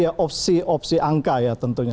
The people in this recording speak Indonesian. ya opsi opsi angka ya tentunya